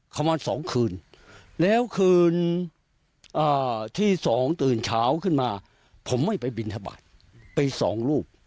ประมาณ๒คืนแล้วคืนที่สองตื่นเช้าขึ้นมาผมไม่ไปบินทบาทไปสองรูป